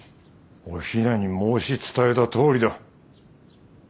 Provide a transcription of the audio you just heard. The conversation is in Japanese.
おひなに申し伝えたとおりだ。